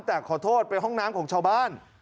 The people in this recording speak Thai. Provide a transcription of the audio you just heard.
แต่ขอโทษไปห้องน้ำของชาวบ้าน